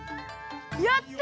やった！